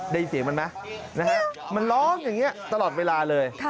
ได้ยินเสียงมันไหมมันร้องอย่างนี้ตลอดเวลาเลย